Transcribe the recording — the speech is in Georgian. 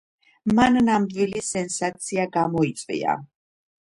მან ნამდვილი სენსაცია გამოიწვია.